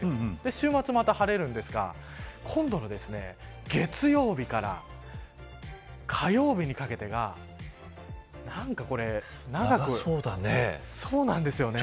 週末また晴れるんですが今度の月曜日から火曜日にかけてが長そうだね。